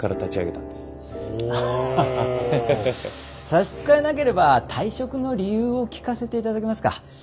差し支えなければ退職の理由を聞かせていただけますか？